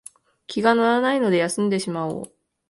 気が乗らないので休んでしまおう